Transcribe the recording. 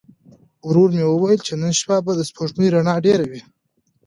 ورور مې وویل چې نن شپه به د سپوږمۍ رڼا ډېره وي.